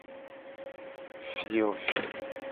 Fiovi.